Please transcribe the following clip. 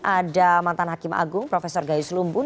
ada mantan hakim agung profesor gayus lumbun